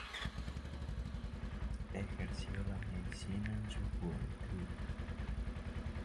Ejerció la medicina en su juventud.